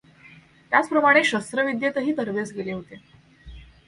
त्याच प्रमाणे शस्त्र विद्येतही तरबेज केले होते.